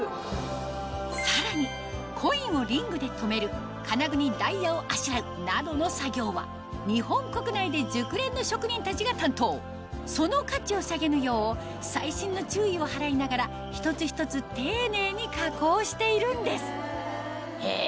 さらにコインをリングで留める金具にダイヤをあしらうなどの作業は日本国内で熟練の職人たちが担当その価値を下げぬよう細心の注意を払いながら一つ一つ丁寧に加工しているんですへぇ！